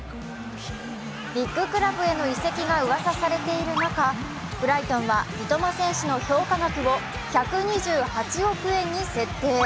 ビッククラブへの移籍がうわさされている中、ブライトンは三笘選手の評価額を１２８億円に設定。